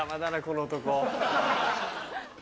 この男。